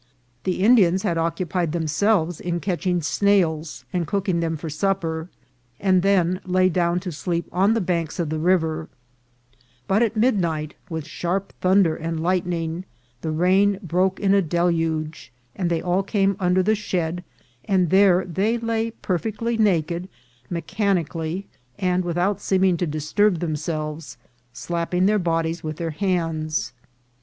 The Indians had occupied themselves in catching snails and cooking them for supper, and then lay down to sleep on the banks of the river ; but at midnight, with sharp thunder and lightning, the rain broke in a deluge, and they all came under the shed, and there they lay perfectly naked, mechanically, and without seeming to disturb themselves, slapping their bodies with their hands.